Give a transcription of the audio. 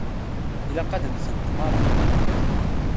Ilaq ad mmtent merra.